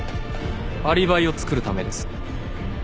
アリバイを作るためです。